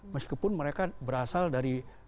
meskipun mereka berasal dari